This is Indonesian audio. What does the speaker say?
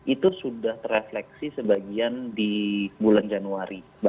itu sudah terefleksi sebagian di bulan januari